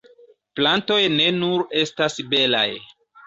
Plantoj ne nur estas belaj.